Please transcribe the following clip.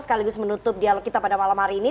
sekaligus menutup dialog kita pada malam hari ini